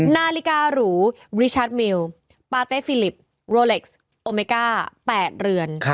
นาฬิการูบริชาร์จมิลปาเต้ฟิลิปโรเล็กซ์โอเมก้า๘เรือน